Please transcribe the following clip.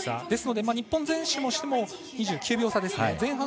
ですので、日本選手としても２９秒差ですね。